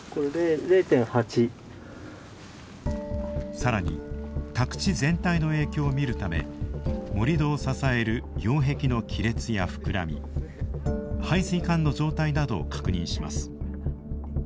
さらに宅地全体の影響を見るため盛土を支える擁壁の亀裂や膨らみ排水管の状態などを確認します。